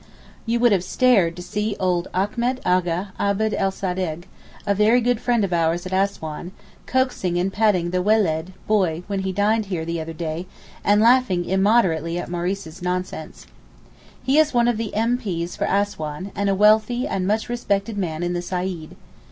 You would have stared to see old Achmet Agha Abd el Sadig, a very good friend of ours at Assouan, coaxing and patting the weled (boy) when he dined here the other day, and laughing immoderately at Maurice's nonsense. He is one of the M.P.'s for Assouan, and a wealthy and much respected man in the Saeed.